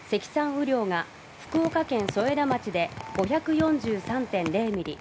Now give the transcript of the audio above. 雨量が福岡県添田町で５４３．０ミリ